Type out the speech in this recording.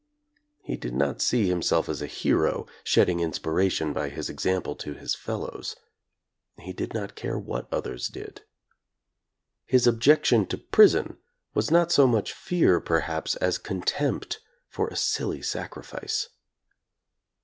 He did not see himself as a hero, shedding inspiration by his example to his fellows. He did not care what others did. His objection to prison was not so much fear perhaps as contempt for a silly sacrifice.